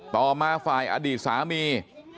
ต่อมาฝ่ายอดีตสามี